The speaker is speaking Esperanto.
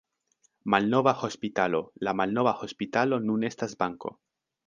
Malnova hospitalo: La malnova hospitalo nun estas banko.